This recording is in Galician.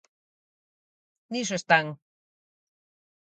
Niso están.